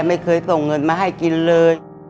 ไม่เคยส่งเงินมาให้กินเลย